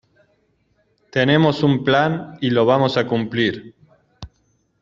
tenemos un plan y lo vamos a cumplir.